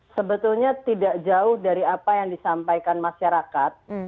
sebetulnya tidak jauh dari apa yang disampaikan masyarakat